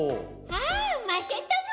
ああまさとも！